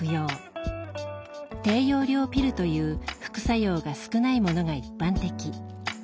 低用量ピルという副作用が少ないものが一般的。